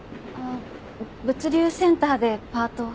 物流センターでパートを。